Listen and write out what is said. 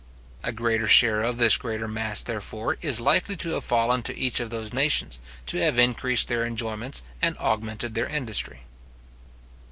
A greater share of this greater mass, therefore, is likely to have fallen to each of those nations, to have increased their enjoyments, and augmented their industry.